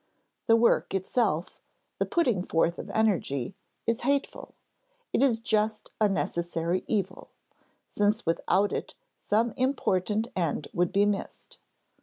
The work itself, the putting forth of energy, is hateful; it is just a necessary evil, since without it some important end would be missed.